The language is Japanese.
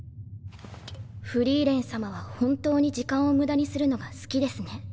フリーレン様は本当に時間を無駄にするのが好きですね。